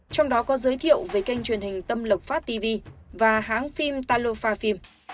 trong đó có giới thiệu về kênh truyền hình tâm lộc phát tv và hãng phim talofa phim